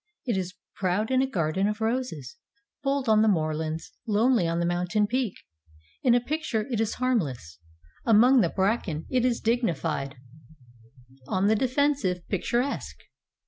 It is proud in a garden of roses, bold on the moorlands, lonely on the mountain peak. In a picture it is harm less, among the bracken it is dignified, on the defensive, picturesque.